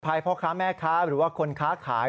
ภายพร้อมข้าแม่ค้าหรือว่าคนค้าขาย